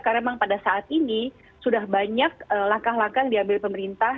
karena memang pada saat ini sudah banyak langkah langkah yang diambil pemerintah